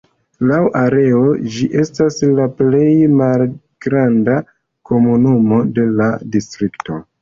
Laŭ areo ĝi estas la plej malgranda komunumo de la distrikto.